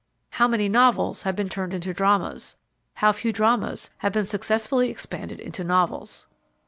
How many novels have been turned into dramas, how few dramas have been successfully expanded into novels!